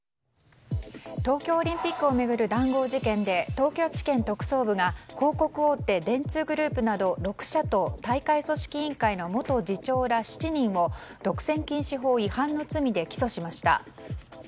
東京オリンピックを巡る談合事件で東京地検特捜部は広告大手電通グループなど６社と大会組織委員会の元次長ら７人を独占禁止法違反の罪で起訴しました。